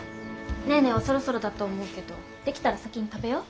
ネーネーはそろそろだと思うけど出来たら先に食べよう。